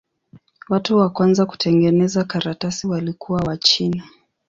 Watu wa kwanza kutengeneza karatasi walikuwa Wachina.